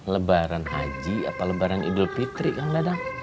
lebaran haji atau lebaran idul fitri kang dadang